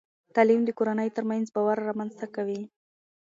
تعلیم د کورنۍ ترمنځ باور رامنځته کوي.